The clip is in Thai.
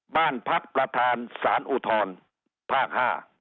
บ้านพักประธานสารอุทธรภาค๕